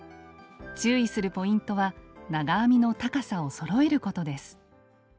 注意するポイントは長編みの高さをそろえることです。